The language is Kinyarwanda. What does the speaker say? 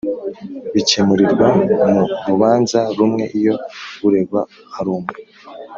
Bikemurirwa mu rubanza rumwe iyo uregwa arumwe